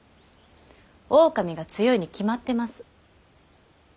狼が強いに決まってます。